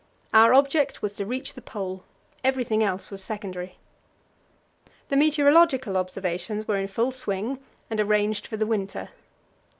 Our object was to reach the Pole everything else was secondary. The meteorological observations were in full swing and arranged for the winter.